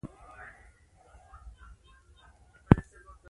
ولسمشر کریموف خپل سیاسي فعالیت د کمونېست ګوند څخه پیل کړ.